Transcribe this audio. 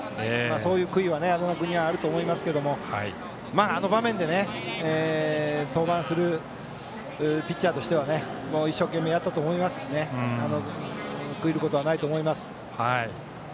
そういう悔いは安座間君にはあると思いますけどあの場面で登板するピッチャーとしては一生懸命やったと思いますし悔いることはないと思います。